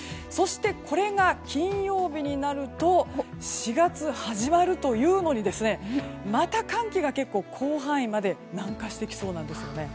そして金曜日になると４月始まるというのにまた寒気が結構、広範囲まで南下してきそうなんです。